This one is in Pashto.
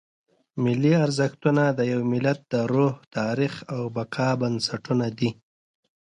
ملي ارزښتونه د یو ملت د روح، تاریخ او بقا بنسټونه دي.